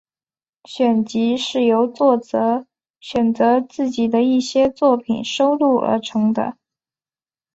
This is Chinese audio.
选集是由作者选择自己的一些作品收录而成的。